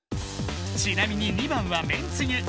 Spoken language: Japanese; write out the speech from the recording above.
ちなみに２番はめんつゆ。